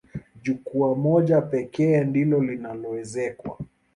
Jukwaa moja pekee ndilo lililoezekwa.